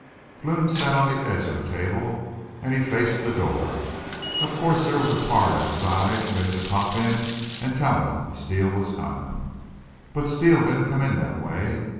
"Blome sat on the edge of a table an' he faced the door. Of course, there was a pard outside, ready to pop in an' tell him if Steele was comin'. But Steele didn't come in that way.